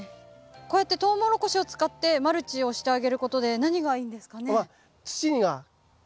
こうやってトウモロコシを使ってマルチをしてあげることで何がいいんですかね？